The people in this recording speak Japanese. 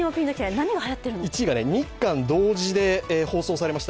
１位が日韓合同で放映されました